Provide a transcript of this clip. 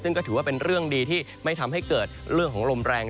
ซึ่งก็ถือว่าเป็นเรื่องดีที่ไม่ทำให้เกิดเรื่องของลมแรง